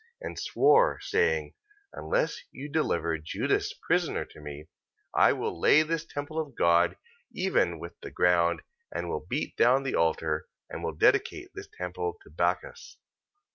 And swore, saying: Unless you deliver Judas prisoner to me, I will lay this temple of God even with the ground, and will beat down the altar, and I will dedicate this temple to Bacchus.